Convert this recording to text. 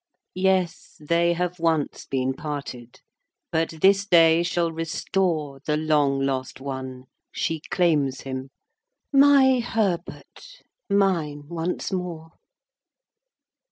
Yes, they have once been parted, But this day shall restore The long lost one: she claims him: "My Herbert—mine once more!"